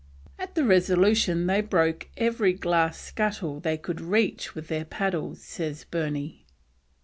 At the Resolution they broke every glass scuttle they could reach with their paddles, says Burney.